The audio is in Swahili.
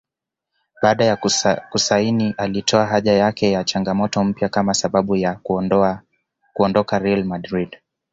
Baada ya kusaini alitoa haja yake na changamoto mpya kama sababu ya kuondoka RealMadrid